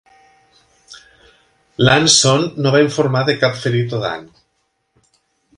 L'"Anson" no va informar de cap ferit o dany.